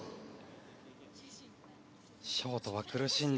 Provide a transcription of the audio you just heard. ショートは苦しんだ。